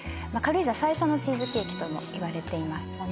軽井沢最初のチーズケーキともいわれています